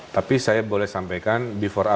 tapi saya boleh sampaikan before i open up